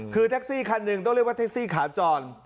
คือแท็กซี่คันหนึ่งต้องเรียกว่าแท็กซี่ขาจร